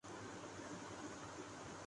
اورجو حکمران طبقہ ہے۔